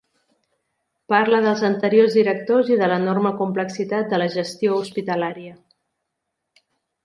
Parla dels anteriors directors i de l'enorme complexitat de la gestió hospitalària.